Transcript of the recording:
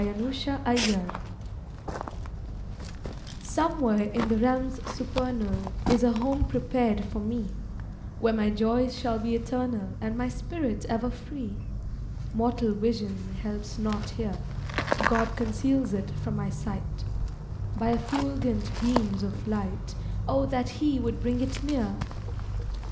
_" EYE HATH NOT SEEN Somewhere in the realms supernal Is a home prepared for me, Where my joys shall be eternal, And my spirit ever free; Mortal vision helps not here, God conceals it from my sight, By effulgent beams of light; Oh that He would bring it near!